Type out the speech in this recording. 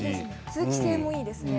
通気性もいいですね。